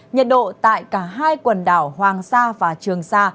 nhiệt độ tại cả hai quần đảo hoàng sa và trường sa